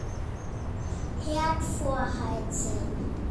Herd vorheizen.